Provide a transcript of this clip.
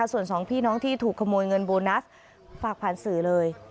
ส่วนสองพี่น้องที่ถูกขโมยเงินโบนัสฝากผ่านสื่อเลย